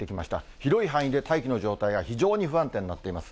広い範囲で大気の状態が非常に不安定になっています。